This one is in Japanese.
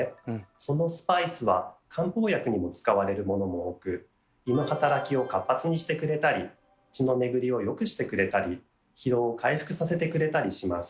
そのスパイスは漢方薬にも使われるものも多く胃の働きを活発にしてくれたり血の巡りを良くしてくれたり疲労を回復させてくれたりします。